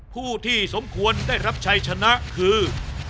ผู้ที่สมควรได้รับชัยชนะคือ